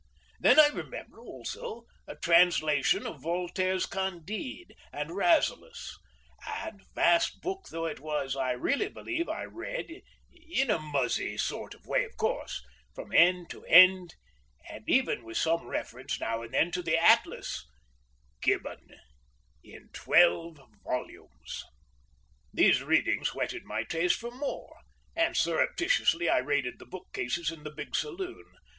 Then I remember also a translation of Voltaire's "Candide," and "Rasselas;" and, vast book though it was, I really believe I read, in a muzzy sort of way of course, from end to end, and even with some reference now and then to the Atlas, Gibbon—in twelve volumes. These readings whetted my taste for more, and surreptitiously I raided the bookcases in the big saloon.